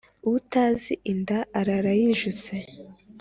Utazi inda arara yijuse.